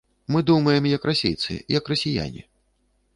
Мы думаем як расейцы, як расіяне.